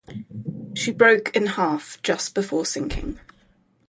She broke in half just before sinking.